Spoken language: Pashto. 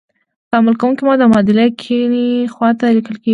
تعامل کوونکي مواد د معادلې کیڼې خواته لیکل کیږي.